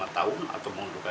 pertama dan ini hanya identitas